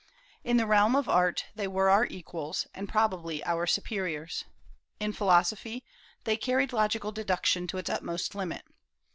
In the realm of art they were our equals, and probably our superiors; in philosophy, they carried logical deduction to its utmost limit.